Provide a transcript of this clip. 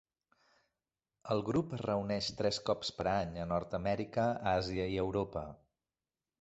El grup es reuneix tres cops per any a Nord-amèrica, Àsia i Europa.